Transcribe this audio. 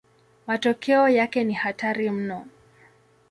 Matokeo yake ni hatari mno.